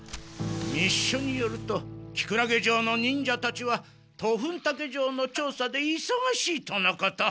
密書によるとキクラゲ城の忍者たちはトフンタケ城の調査でいそがしいとのこと。